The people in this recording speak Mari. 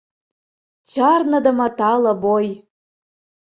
Чарныдыме тале бой.